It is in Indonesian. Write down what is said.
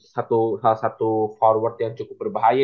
salah satu forward yang cukup berbahaya